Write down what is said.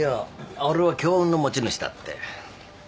俺は強運の持ち主だって。